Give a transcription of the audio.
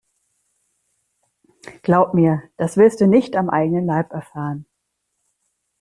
Glaub mir, das willst du nicht am eigenen Leib erfahren.